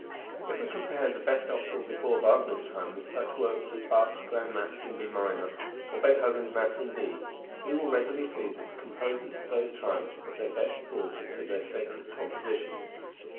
If we compare the best opera before Wagner's time with such works as Bach's Grand Mass in B minor, or Beethoven's Mass in D, we will readily see that the composers of those times put their best thought into their sacred compositions.